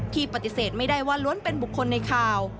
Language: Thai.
ปฏิเสธไม่ได้ว่าล้วนเป็นบุคคลในข่าว